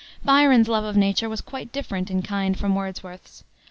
Byron's love of Nature was quite different in kind from Wordsworth's.